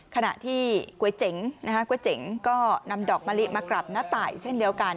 ขณะที่ก๊วยเจ๋งก็นำดอกมะลิมากราบหน้าต่ายเช่นเดียวกัน